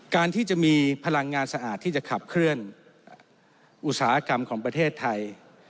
การที่จะมีพลังงานสะอาดที่จะขับเคลื่อนอุตสาหกรรมของประเทศไทย